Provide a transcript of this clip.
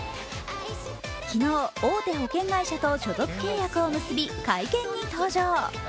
昨日、大手保険会社と所属契約を結び会見に登場。